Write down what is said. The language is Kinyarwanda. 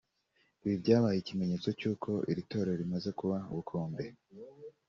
ibi byabaye ikimenyetso cy’uko iri torero rimaze kuba ubukombe